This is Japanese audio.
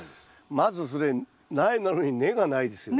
まずそれ苗なのに根がないですよね。